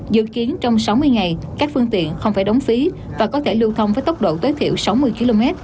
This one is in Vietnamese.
dự kiến trong sáu mươi ngày các phương tiện không phải đóng phí và có thể lưu thông với tốc độ tối thiểu sáu mươi km